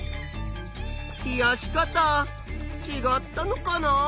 冷やし方ちがったのかなあ？